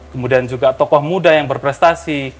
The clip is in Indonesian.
kemudian juga tokoh muda yang berprestasi